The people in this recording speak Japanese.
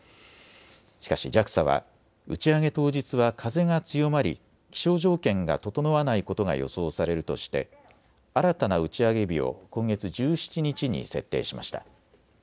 しかしＪＡＸＡは打ち上げ当日は風が強まり気象条件が整わないことが予想されるとして新たな打ち上げ日を今月１７日に設定しました。